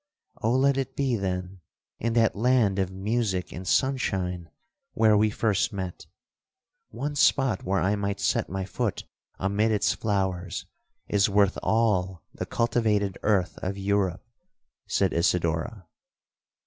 '—'Oh let it be, then, in that land of music and sunshine where we first met! One spot where I might set my foot amid its flowers, is worth all the cultivated earth of Europe!' said Isidora.